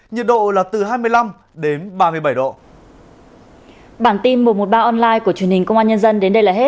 nhiệt độ là từ hai mươi năm đến ba mươi bảy độ